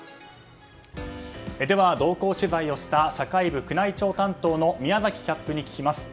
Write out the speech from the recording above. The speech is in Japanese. では、同行取材をした社会部宮内庁担当の宮崎キャップに聞きます。